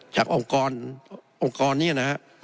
องค์กรนี้นะครับ